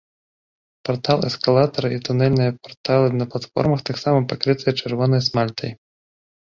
Партал эскалатара і тунэльныя парталы на платформах таксама пакрытыя чырвонай смальтай.